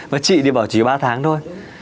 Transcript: và chị thì bảo chỉ ba tháng thôi